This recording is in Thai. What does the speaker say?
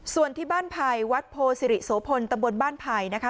ส่วนที่บ้านไผ่วัดโพสิริโสพลตำบลบ้านไผ่นะคะ